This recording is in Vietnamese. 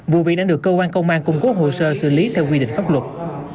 vụ việc đang được cơ quan công an cung cố hồ sơ xử lý theo quy định pháp luật